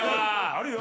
あるよ！